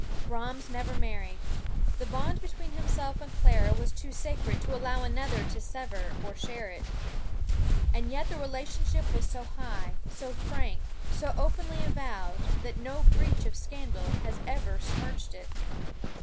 Brahms never married the bond between himself and Clara was too sacred to allow another to sever or share it. And yet the relationship was so high, so frank, so openly avowed, that no breath of scandal has ever smirched it.